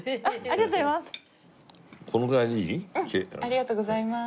ありがとうございます。